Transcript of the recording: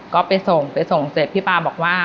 ก็ไปส่งพี่ปาบอกว่า